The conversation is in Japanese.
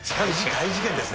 大事件です。